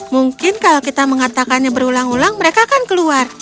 mungkin kalau kita mengatakannya berulang ulang mereka akan keluar